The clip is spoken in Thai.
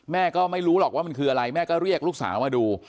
แม่ก็ไม่รู้หรอกว่ามันคืออะไรแม่ก็เรียกลูกสาวมาดู